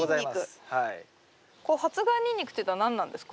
発芽ニンニクっていうのは何なんですか？